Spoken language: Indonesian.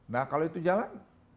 nah kalau itu jalan